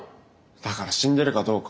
だから死んでるかどうか。